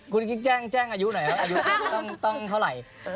คุณคิดแจ้งอายุหน่อยครับอายุต้องเท่าไหร่